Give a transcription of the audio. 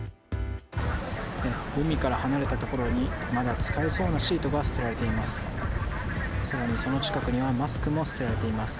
海から離れた所に、まだ使えそうなシートが捨てられています。